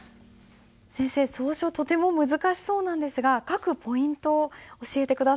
先生草書とても難しそうなんですが書くポイントを教えて下さい。